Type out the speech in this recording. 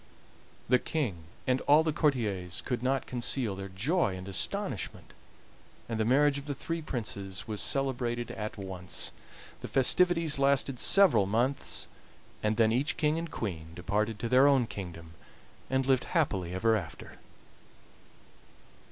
The King and all the courtiers could not conceal their joy and astonishment, and the marriage of the three Princes was celebrated at once. The festivities lasted several months, and then each king and queen departed to their own kingdom and lived happily ever after.